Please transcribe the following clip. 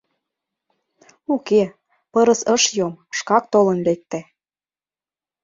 Уке, пырыс ыш йом, шкак толын лекте.